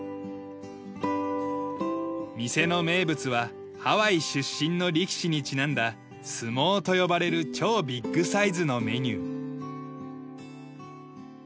店の名物はハワイ出身の力士にちなんだ「ＳＵＭＯ」と呼ばれる超ビッグサイズのメニュー。